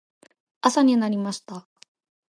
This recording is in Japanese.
朝になりました。